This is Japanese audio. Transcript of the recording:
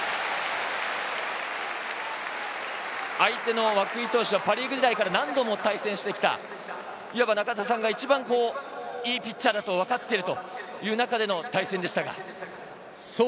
相手の涌井投手はパ・リーグ時代から何度も対戦してきた、言わば中田さんが一番いいピッチャーだとわかっているという中での対戦でしたが。